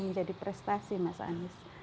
menjadi prestasi mas anis